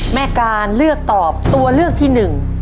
แม่การเลือกตอบตัวเลือกที่หนึ่ง